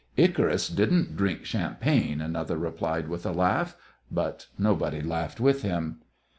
"Icarus didn't drink champagne," another replied, with a laugh; but nobody laughed with him.